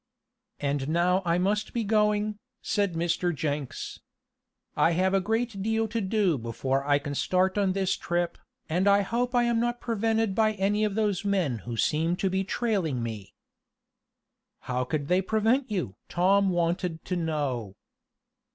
"And now I must be going," said Mr. Jenks. "I have a great deal to do before I can start on this trip, and I hope I am not prevented by any of those men who seem to be trailing me." "How could they prevent you?" Tom wanted to know.